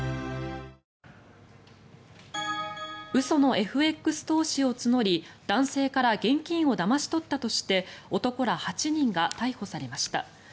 嘘のＦＸ投資を募り男性から現金をだまし取ったとして男ら８人が逮捕されました。